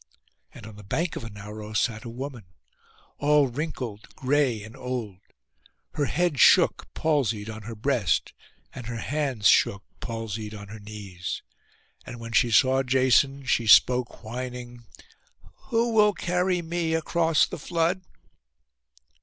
And on the bank of Anauros sat a woman, all wrinkled, gray, and old; her head shook palsied on her breast, and her hands shook palsied on her knees; and when she saw Jason, she spoke whining, 'Who will carry me across the flood?